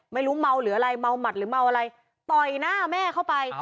ไม่รู้เมาหรืออะไรเมาหมัดหรือเมาอะไรต่อยหน้าแม่เข้าไป